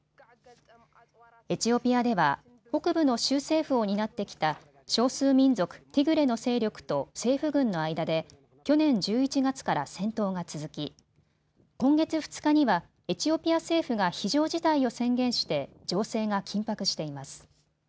エチオピアでは北部の州政府を担ってきた少数民族ティグレの勢力と政府軍の間で去年１１月から戦闘が続き今月２日にはエチオピア政府が非常事態を宣言して情勢が緊迫しています。